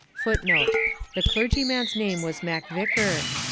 [Footnote: The clergyman's name was Mac Vicar.